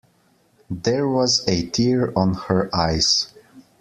There was a tear on her eyes.